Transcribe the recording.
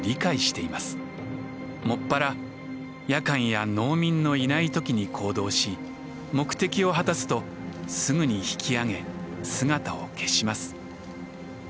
もっぱら夜間や農民のいないときに行動し目的を果たすとすぐに引き上げ姿を消します。